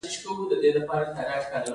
دا وضعیت د اپارټایډ په عنوان توصیف کیږي.